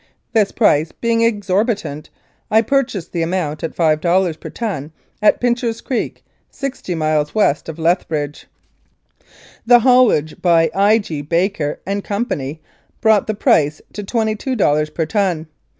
This price being exorbitant, I purchased the amount at five dollars per ton at Pincher Creek, sixty miles west of Lethbridge; the haulage by I. G. Baker and Co. brought the price to twenty two dollars per ton.